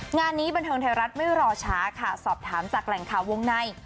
งานนี้บันเทิงไทยรัฐไม่รอช้าค่ะสอบถามจากแหล่งข่าววงใน